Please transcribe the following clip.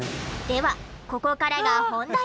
ではここからが本題。